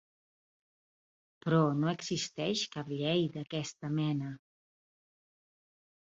Però no existeix cap llei d'aquesta mena.